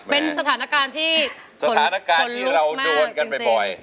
เป็นสถานการณ์ที่เราโดนกันบ่อย